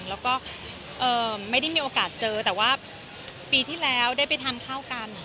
แล้วก็ไม่ได้มีโอกาสเจอแต่ว่าปีที่แล้วได้ไปทานข้าวกัน